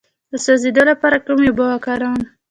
د سوځیدو لپاره کومې اوبه وکاروم؟